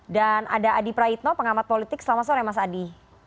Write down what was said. dan ada adi praitno pengamat politik selamat sore mas adi